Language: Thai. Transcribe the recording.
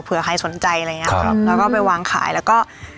ใครสนใจอะไรอย่างเงี้ครับแล้วก็ไปวางขายแล้วก็